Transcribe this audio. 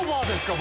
僕。